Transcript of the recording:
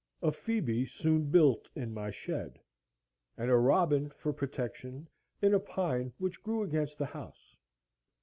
A phœbe soon built in my shed, and a robin for protection in a pine which grew against the house.